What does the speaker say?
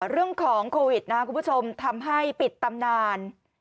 เรื่องของโควิดนะครับคุณผู้ชมทำให้ปิดตำนาน